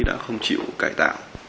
đã không chịu cải tạo